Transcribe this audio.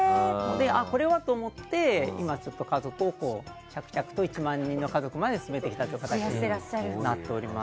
これはと思って今、着々と１万人の家族まで進めてきたという形になっております。